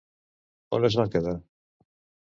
On es van quedar?